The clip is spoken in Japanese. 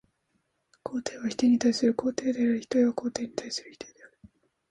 肯定は否定に対する肯定であり、否定は肯定に対する否定である。